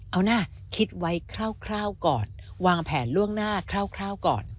เอานะคิดไว้คร่าวก่อนวางแผนล่วงหน้าคร่าวก่อน